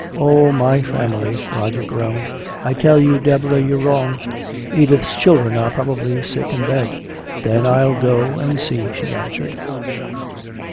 "Oh, my family!" Roger groaned. "I tell you, Deborah, you're wrong! Edith's children are probably sick in bed!" "Then I'll go and see," she answered.